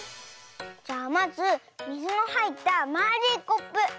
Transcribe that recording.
じゃまずみずのはいったまあるいコップ。